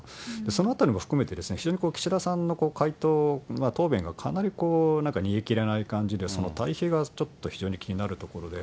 そのあたりも含めて、非常に岸田さんの回答、答弁はかなり何か煮え切れない感じで、たいせいが非常に気になるところで。